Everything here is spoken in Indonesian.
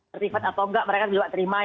sertifat atau tidak mereka juga terima